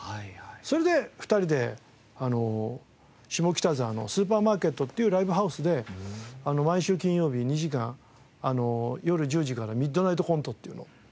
それで２人で下北沢の「スーパーマーケット」っていうライブハウスで毎週金曜日２時間夜１０時から「ミッドナイトコント」というのを。